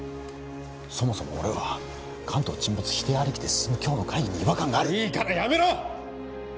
そもそも俺は関東沈没否定ありきで進む今日の会議に違和感があるいいからやめろ！